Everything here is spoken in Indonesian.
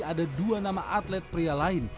ada dua nama atlet pria lain